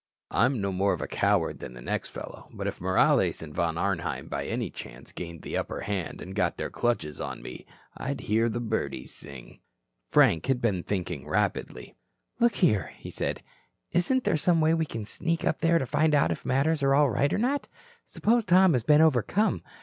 "I'm no more of a coward than the next fellow. But if Morales and Von Arnheim by any chance gained the upper hand and got their clutches on me, I'd hear the birdies sing." Frank had been thinking rapidly. "Look here," he said, "isn't there some way we can sneak up there to find out if matters are all right or not? Suppose Tom has been overcome.